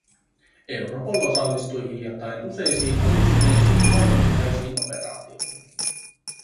Europol osallistui hiljattain useisiin onnistuneisiin laajamittaisiin operaatioihin.